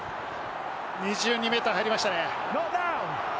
２２ｍ入りましたね。